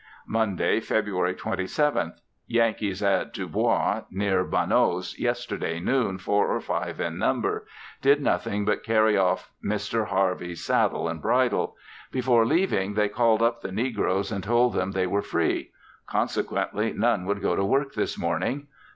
Monday, February 27th. Yankees at DuBois (near Bonneau's) yesterday noon, four or five in number; did nothing but carry off Mr. Harvey's saddle and bridle. Before leaving they called up the negroes and told them they were free; consequently none would go to work this morning.